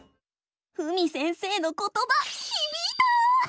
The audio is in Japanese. ふみ先生のことばひびいた！